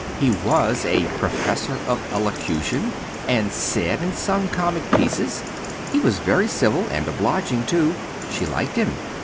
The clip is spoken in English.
He was a "Professor of Elocution," and said and sung comic pieces. He was very civil and obliging too; she liked him.